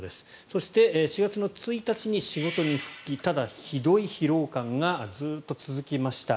そして、４月１日に仕事に復帰ただ、ひどい疲労感がずっと続きました。